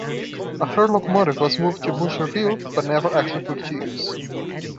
A third locomotive was moved to Boucherville, but never actually put to use.